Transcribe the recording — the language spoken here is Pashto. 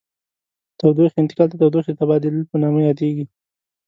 تودوخې انتقال د تودوخې د تبادل په نامه یادیږي.